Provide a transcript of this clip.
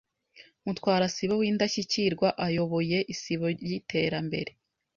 mutwarasibo w’Indashyikirwa ayoboye Isibo y’Iterambere,